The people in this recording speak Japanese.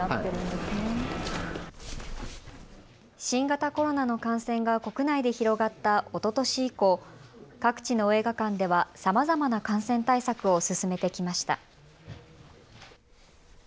新型コロナの感染が国内で広がったおととし以降、各地の映画館ではさまざまな感染対策を進めてきました。